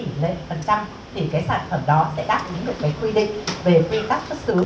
liên phụ liệu nhập khẩu mà không được vượt quá một tỷ lệ phần trăm thì sản phẩm đó sẽ đáp ứng được quy định về quy tắc xuất xứ